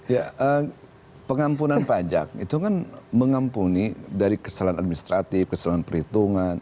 ya pengampunan pajak itu kan mengampuni dari kesalahan administratif kesalahan perhitungan